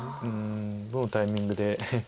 どのタイミングで。